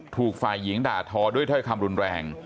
ถูกฝ่ายหญิงด่าทอด้วยถ้อยคำรุนแรง